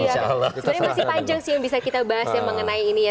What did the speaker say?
iya sebenarnya masih panjang sih yang bisa kita bahas ya mengenai ini ya